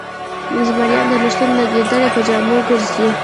ـ زمريانو د نشتون نه ګيدړې په بامو ګرځي